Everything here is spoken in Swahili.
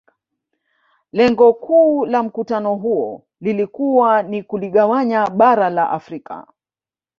Lengo kuu la Mkutano huo lilikuwa ni kuligawanya bara la Afrika